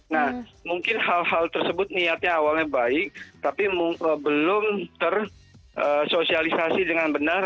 nah mungkin hal hal tersebut niatnya awalnya baik tapi belum tersosialisasi dengan benar